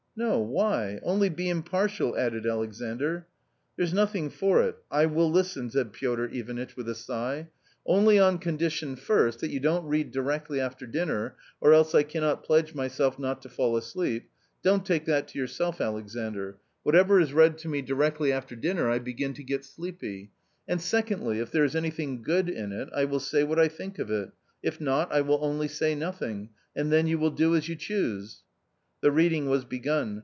" No, why ? only be impartial," added Alexandr. "There's nothing for it; I will listen," said Piotr Ivanitch A COMMON STORY 161 with a sigh," only on condition, first, that you don't read directly after dinner, or else I cannot pledge myself not to fall asleep — don't take that to yourself, Alexandr ; whatever is read to me directly after dinner I begin to get sleepy — and secondly, if there is anything good in it, I will say what I think of it ; if not, I will only say nothing, and then you will do as you choose. ,, The reading was begun.